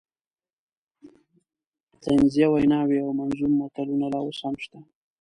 طنزیه ویناوې او منظوم متلونه لا اوس هم شته.